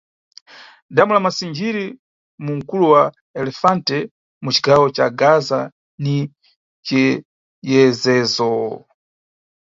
Dhamu la Massingiri, mu mkulo wa Elefante, mu cigawo ca Gaza ni ciyezezo.